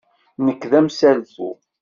Nekk d amsaltu.